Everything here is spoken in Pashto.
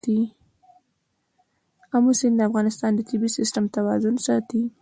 آمو سیند د افغانستان د طبعي سیسټم توازن ساتي.